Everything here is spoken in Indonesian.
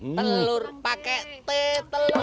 telur pakai t telur